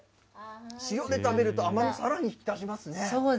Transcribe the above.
塩で食べると、甘み、さらに引き立ちますね。